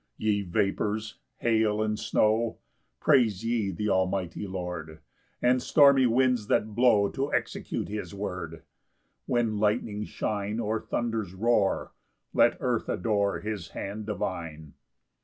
6 Ye vapours, hail, and snow, Praise ye Th' almighty Lord, And stormy winds that blow To execute his word: When lightnings shine, Or thunders roar, Let earth adore His hand divine.